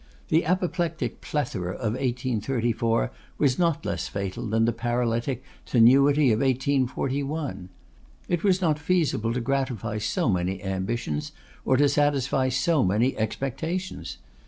The apoplectic plethora of 1834 was not less fatal than the paralytic tenuity of 1841. It was not feasible to gratify so many ambitions, or to satisfy so many expectations.